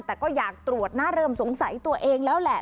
แต่ก็อยากตรวจนะเริ่มสงสัยตัวเองแล้วแหละ